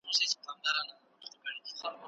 آیا تاسو تر خپلو ملګرو چټک لیکلی سئ؟